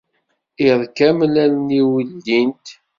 Iḍ kamel, allen-iw ldint.